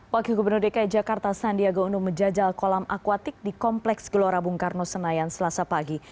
wakil gubernur dki jakarta sandiaga uno menjajal kolam akuatik di kompleks gelora bung karno senayan selasa pagi